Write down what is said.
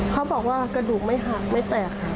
เขาบอกว่ากระดูกไม่หักไม่แตกค่ะ